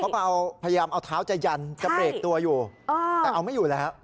พยายามเอาเท้าจะยันจะเบรกตัวอยู่แต่เอาไม่อยู่แล้ว